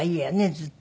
ずっと。